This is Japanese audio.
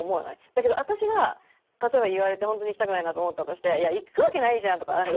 だけど私が例えば言われて本当に行きたくないなと思ったとして「いや行くわけないじゃん」とか「行くかぁ！」